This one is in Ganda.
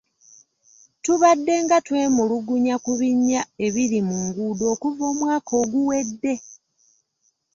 Tubaddenga twemulugunya ku binnya ebiri mu nguudo okuva omwaka oguwedde.